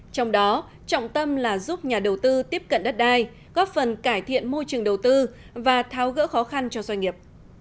trong đó trọng tâm là giúp nhà đầu tư tiếp cận đất đai góp phần cải thiện môi trường đầu tư và tháo gỡ khó khăn cho doanh nghiệp